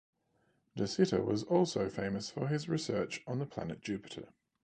De Sitter was also famous for his research on the planet Jupiter.